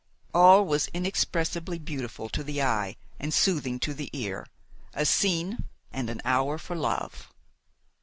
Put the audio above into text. All was inexpressibly beautiful to the eye and soothing to the ear a scene and an hour for love.